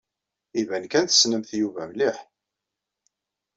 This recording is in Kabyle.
Iban kan tessnemt Yuba mliḥ.